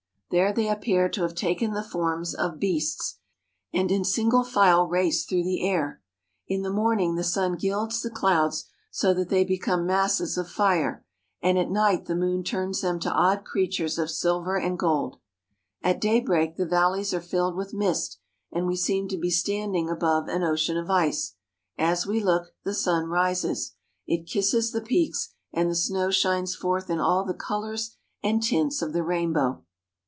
There they appear to have taken the forms of beasts, and in single file race through the air. In the morning, the sun gilds the clouds so that they become masses of fire; and at night the moon turns them to odd creatures of silver and gold. At daybreak the valleys are filled with mist, and we seem to be standing above an ocean of ice. As we look, the sun rises. It kisses the peaks, and the snow shines forth in all the colors and tints of the rainbow.